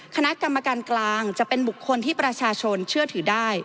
คณะกรรมการกลางจะเป็นบุคคลที่ประชาชนเชื่อถือได้